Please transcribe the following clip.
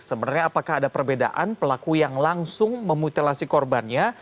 sebenarnya apakah ada perbedaan pelaku yang langsung memutilasi korbannya